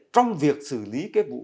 trong việc xử lý cái vụ